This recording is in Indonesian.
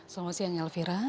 selamat siang elvira